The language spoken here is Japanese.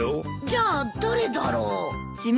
じゃあ誰だろう？